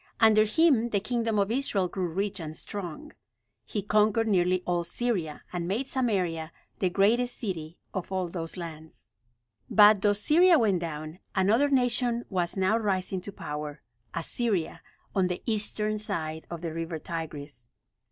Under him the kingdom of Israel grew rich and strong. He conquered nearly all Syria, and made Samaria the greatest city of all those lands. But though Syria went down, another nation was now rising to power Assyria, on the eastern side of the river Tigris.